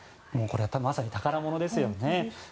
まさに宝物ですよね。